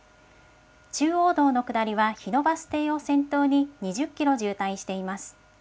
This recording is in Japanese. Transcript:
中央道の下りは日野バス停を先頭に２０キロ渋滞しています。